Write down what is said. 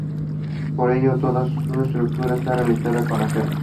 Por ello, toda su estructura está realizada en acero.